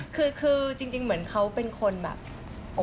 คือจริงเหมือนเขาเป็นคนแบบ